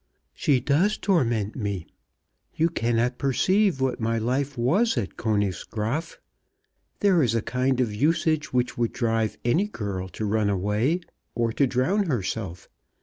"She does torment me. You cannot perceive what my life was at Königsgraaf! There is a kind of usage which would drive any girl to run away, or to drown herself.